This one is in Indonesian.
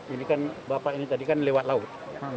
ini kan bapak ini tadi kan lewat laut